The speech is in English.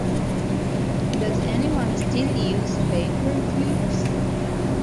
Does anyone still use paper clips?